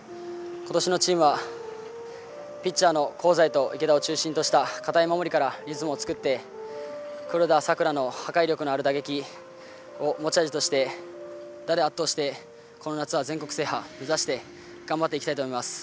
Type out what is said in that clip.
今年のチームはピッチャーの香西と池田を中心とした堅い守りからリズムを作って黒田、佐倉の破壊力のある打撃を持ち味として打で圧倒してこの夏は全国制覇、目指して頑張っていきたいと思います。